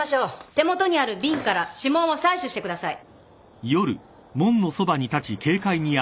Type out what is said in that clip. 手元にある瓶から指紋を採取してください。